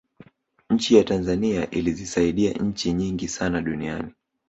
nchi ya tanzania ilizisaidia nchi nyingi sana duniani